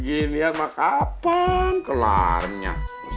gini sama kapan kelarnya